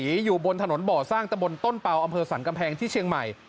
อยู่บนถนนบ่อสร้างตะบนต้นเป่าอำเภอสรรกำแพงที่เชียงใหม่